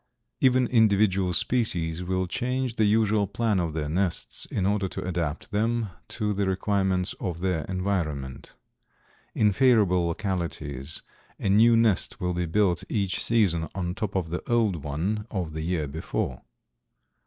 Even individual species will change the usual plan of their nests in order to adapt them to the requirements of their environment. In favorable localities a new nest will be built each season on top of the old one of the year before.